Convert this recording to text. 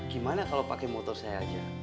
gimana kalau pakai motor saya aja